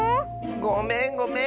ごめんごめん。